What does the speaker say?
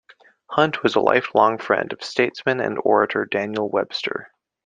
Hunt was a lifelong friend of statesman and orator Daniel Webster.